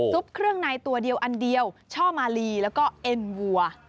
เครื่องในตัวเดียวอันเดียวช่อมาลีแล้วก็เอ็นวัว